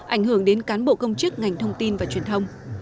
ảnh hưởng đến cán bộ công chức ngành thông tin và truyền thông